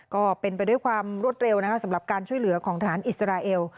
ก็เป็นไปด้วยความรวดเร็วนะคะสำหรับการช่วยเหลือของทหารอิสราเอล